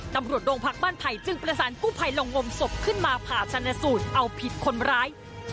ตำรวจโรงพักบ้านไผ่จึงประสานกู้ภัยลงงมศพขึ้นมาผ่าชนสูตรเอาผิดคนร้าย